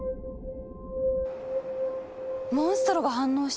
モンストロが反応した！